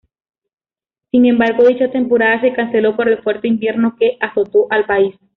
Sin embargo, dicha temporada se canceló por el fuerte invierno que azotó al país.